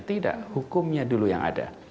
tidak hukumnya dulu yang ada